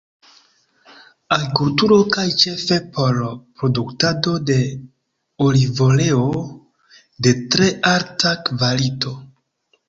Agrikulturo kaj ĉefe por produktado de olivoleo de tre alta kvalito.